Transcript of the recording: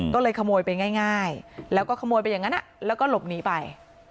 ก็เลยขโมยไปง่ายแล้วก็ขโมยไปอย่างนั้นแล้วก็หลบหนีไป